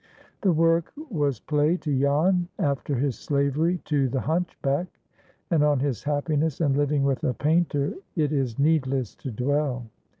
The work was play to Jan after his slavery to the hunchback, and on his happiness in living with a painter it is needless to dwell.